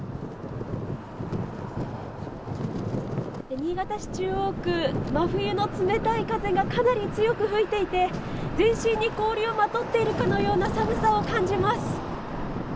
新潟市中央区、真冬の冷たい風がかなり強く吹いていて、全身に氷をまとっているかのような寒さを感じます。